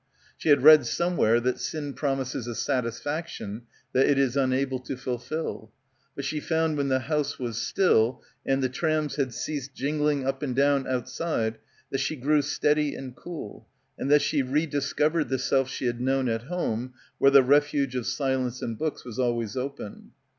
She had read somewhere that sin promises a satisfaction that it is unable to fulfil. But she found when the house was still and the trams had ceased jingling up and down outside that she grew steady and cool and that she rediscovered the self she had known at home, where the refuge of silence and books was always open.